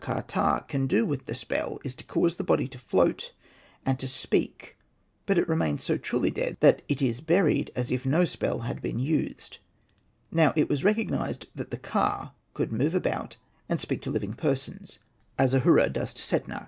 ptah can do with the spell is to cause the body to float and to speak, but it remains so truly dead that it is buried as if no spell had been used. Now it was recog nised that the /:a could move about and speak to living persons, as Ahura does to Hosted by Google 134 SETNA AND THE MAGIC BOOK Setna.